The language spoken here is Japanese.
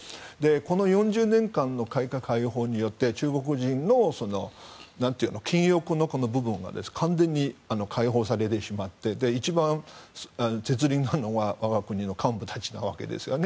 この４０年間の改革開放によって中国人の禁欲の部分が完全に開放されてしまって一番、絶大なのは我が国の幹部たちのわけですよね。